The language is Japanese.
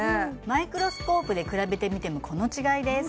マイクロスコープで比べてみてもこの違いです